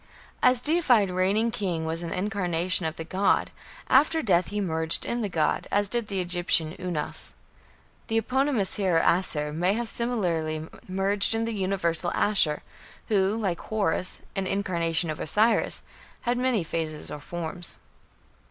A deified reigning king was an incarnation of the god; after death he merged in the god, as did the Egyptian Unas. The eponymous hero Asshur may have similarly merged in the universal Ashur, who, like Horus, an incarnation of Osiris, had many phases or forms.